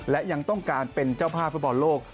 และยังต้องการเป็นเจ้าภาพฟุตบอลโลก